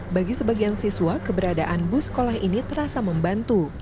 bagi sebagian siswa keberadaan bus sekolah ini terasa membantu